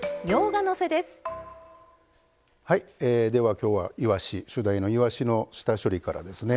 はいでは今日はいわし主題のいわしの下処理からですね。